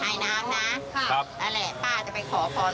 อันนี้คือเดี๋ยวรีสวน